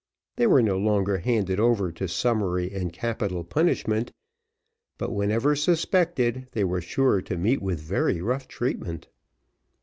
They were no longer handed over to summary and capital punishment, but whenever suspected they were sure to meet with very rough treatment.